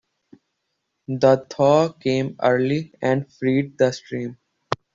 The thaw came early and freed the stream.